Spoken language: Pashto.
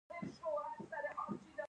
دا د احکامو او هدایت د اخیستلو لپاره دی.